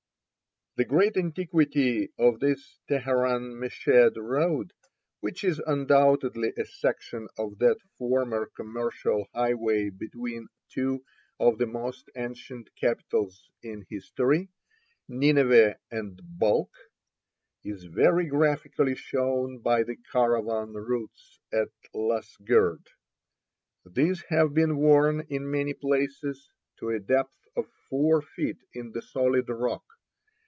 The great antiquity of this Teheran Meshed road, which is undoubtedly a section of that former commercial highway between two of the most ancient capitals in history — Nineveh 92 Across Asia on a Bicycle and Balk, is very graphically shown by the caravan ruts at Lasgird. These have been worn in many places to a depth of four feet in the solid rock.